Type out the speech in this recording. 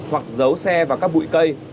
hoặc giấu xe vào các bụi cây